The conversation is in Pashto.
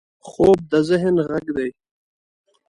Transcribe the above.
خوب د ذهن غږ دی